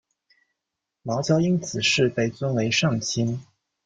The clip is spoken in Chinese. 茅焦因此事被尊为上卿。